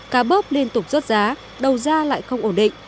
cá bớp liên tục rớt giá đầu ra lại không ổn định